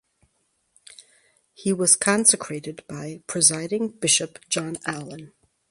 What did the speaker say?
He was consecrated by Presiding Bishop John Allin.